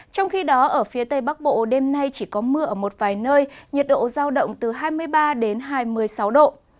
trong khi đó ở phía tây bắc bộ đêm nay chỉ có mưa ở một vài nơi nhiệt độ giao động từ hai mươi ba đến hai mươi sáu độ